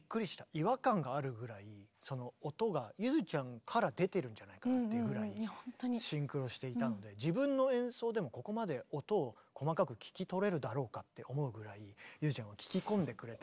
違和感があるぐらいその音がゆづちゃんから出てるんじゃないかなっていうぐらいシンクロしていたので自分の演奏でもここまで音を細かく聞き取れるだろうかって思うぐらいゆづちゃんは聞き込んでくれた。